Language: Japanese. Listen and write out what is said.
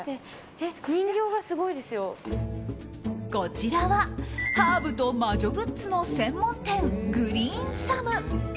こちらはハーブと魔女グッズの専門店グリーンサム。